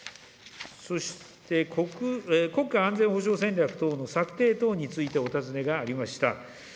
そして、国家安全保障戦略等の策定等についてお尋ねがありました。